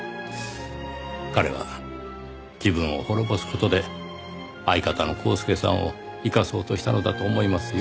彼は自分を滅ぼす事で相方のコースケさんを生かそうとしたのだと思いますよ。